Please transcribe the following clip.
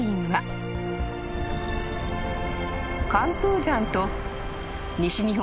［寒風山と西日本